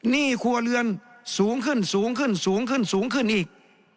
หนี้ครัวเรือนสูงขึ้นสูงขึ้นสูงขึ้นสูงขึ้นอีก